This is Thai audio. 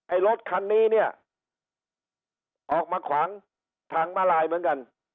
รถคันนี้เนี่ยออกมาขวางทางมาลายเหมือนกัน